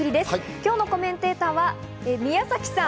今日のコメンテーターは宮崎さん。